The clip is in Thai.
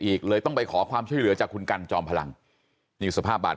อีกเลยต้องไปขอความช่วยเหลือจากคุณกันจอมพลังนี่สภาพบาด